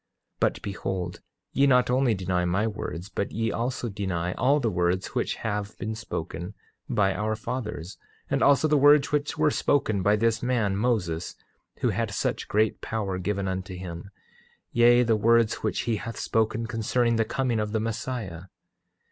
8:13 But, behold, ye not only deny my words, but ye also deny all the words which have been spoken by our fathers, and also the words which were spoken by this man, Moses, who had such great power given unto him, yea, the words which he hath spoken concerning the coming of the Messiah.